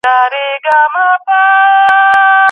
ایا واړه پلورونکي بادام پلوري؟